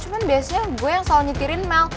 cuman biasanya gue yang selalu nyetirin mel